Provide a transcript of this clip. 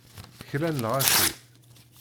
Kra n lɣaci!